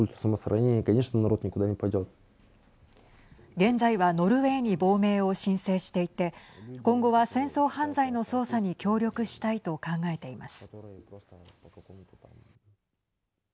現在はノルウェーに亡命を申請していて今後は戦争犯罪の捜査に協力したいと考えています。